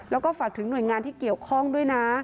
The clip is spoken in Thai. แล้วก็ฝากถึงหน่วยงานที่เกี่ยวข้องด้วยนะ